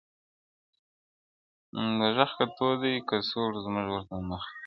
o دوږخ که تود دئ، که سوړ، زموږ ورته مخ دئ!